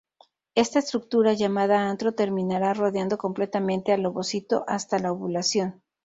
Esta estructura, llamada antro, terminará rodeando completamente al ovocito hasta la ovulación.